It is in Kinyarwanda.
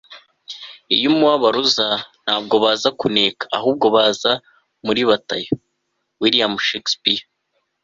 iyo umubabaro uza, ntabwo baza kuneka, ahubwo baza muri batayo - william shakespeare